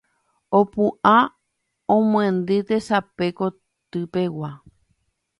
opu'ã omyendy tesape kotypegua